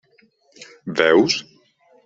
Veus?